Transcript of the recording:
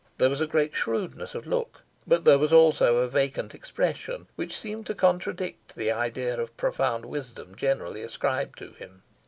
There was great shrewdness of look, but there was also a vacant expression, which seemed to contradict the idea of profound wisdom generally ascribed to him.